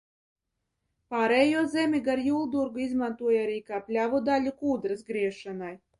Pārējo zemi gar Juldurgu izmantoja kā pļavu daļu arī kūdras griešanai.